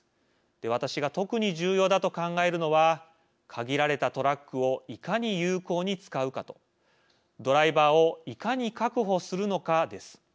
私が特に重要だと考えるのは限られたトラックをいかに有効に使うかとドライバーをいかに確保するのかです。